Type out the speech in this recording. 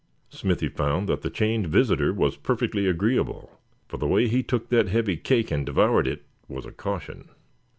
Smithy found that the chained visitor was perfectly agreeable, for the way he took that heavy cake and devoured, it was a caution.